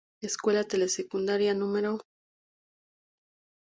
Escuela Telesecundaria No.